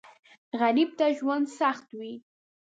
غریب ته ژوند سخت وي